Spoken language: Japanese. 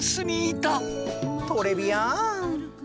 トレビアン。